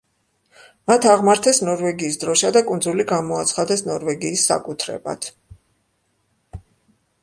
მათ აღმართეს ნორვეგიის დროშა და კუნძული გამოაცხადეს ნორვეგიის საკუთრებად.